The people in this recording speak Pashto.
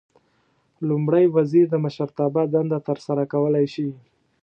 لومړی وزیر د مشرتابه دنده ترسره کولای شي.